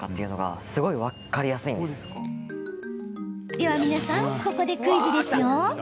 では皆さんここでクイズですよ。